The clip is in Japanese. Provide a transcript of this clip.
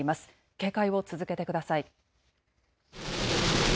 警戒を続けてください。